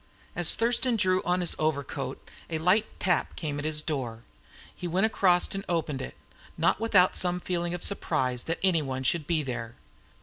As Thurston drew on his overcoat a light tap came at his door, and he went across and opened it, not without some feeling of surprise that anyone should be there.